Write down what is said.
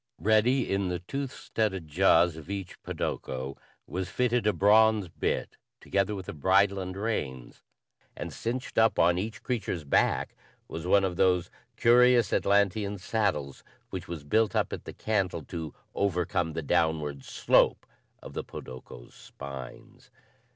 Ready in the tooth studded jaws of each podoko was fitted a bronze bit together with a bridle and reins; and cinched up on each creature's back was one of those curious Atlantean saddles, which was built up at the cantle to overcome the downward slope of the podokos' spines.